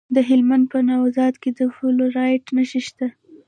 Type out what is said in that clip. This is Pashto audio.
د هلمند په نوزاد کې د فلورایټ نښې شته.